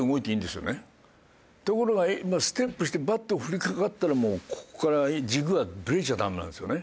ところがステップしてバットを振りかかったらもうここから軸はぶれちゃダメなんですよね。